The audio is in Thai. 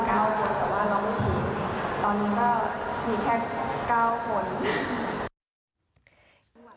แต่ว่าร้องวิถีตอนนี้ก็มีแค่๙คน